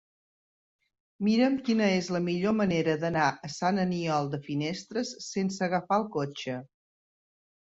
Mira'm quina és la millor manera d'anar a Sant Aniol de Finestres sense agafar el cotxe.